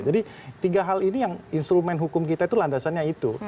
jadi tiga hal ini yang instrumen hukum kita itu landasannya itu